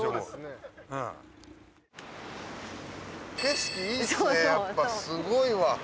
すごいわ。